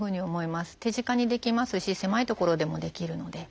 手近にできますし狭い所でもできるので。